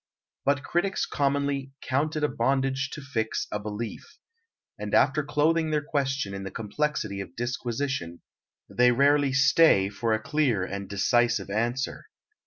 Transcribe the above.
But critics commonly "count it a bondage to fix a belief," and after clothing their question in the complexity of disquisition, they rarely "stay" for a clear and decisive answer.